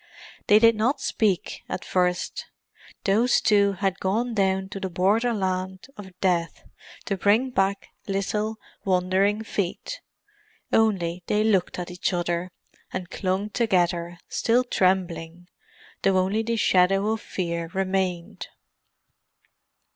They did not speak at first, those two had gone down to the borderland of Death to bring back little, wandering feet; only they looked at each other, and clung together, still trembling, though only the shadow of fear remained.